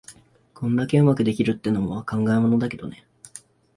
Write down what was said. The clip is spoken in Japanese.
こんだけ上手くできるってのも考えものだけどね。